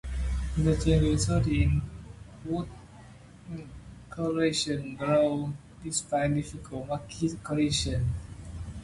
The change resulted in good circulation growth, despite difficult market conditions.